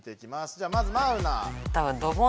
じゃあまずマウナ。